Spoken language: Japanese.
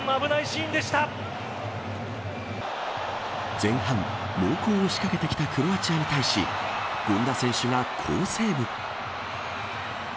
前半、猛攻を仕掛けてきたクロアチアに対し権田選手が好セーブ。